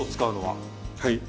はい。